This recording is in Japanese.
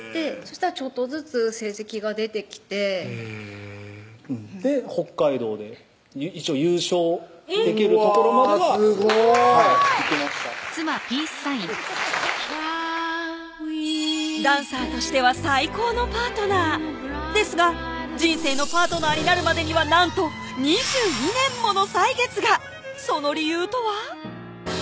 したらちょっとずつ成績が出てきて北海道で一応優勝できるところまではすごい！いきましたダンサーとしては最高のパートナーですが人生のパートナーになるまでにはなんと２２年もの歳月がその理由とは？